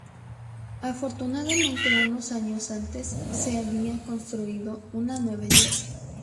Afortunadamente unos años antes se había construido una nueva Iglesia.